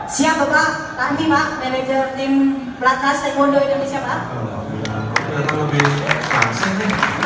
siap bapak tanggi pak manager tim platas tekondo indonesia pak